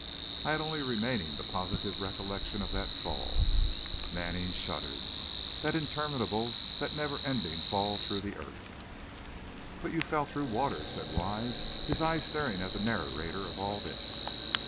"I had only remaining the positive recollection of that fall " Manning shuddered, "that interminable, that never ending fall through the earth." "But you fell through water," said Wise, his eyes staring at the narrator of all this.